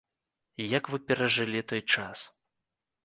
Як вы перажылі той час?